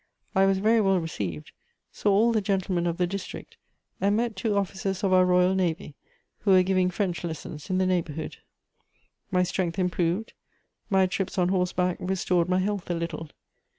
I was very well received, saw all the gentlemen of the district, and met two officers of our Royal Navy who were giving French lessons in the neighbourhood. * My strength improved; my trips on horseback restored my health a little.